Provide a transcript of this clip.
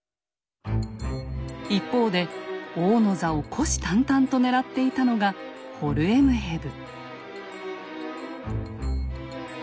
一方で王の座を虎視眈々と狙っていたのがホルエムヘブ。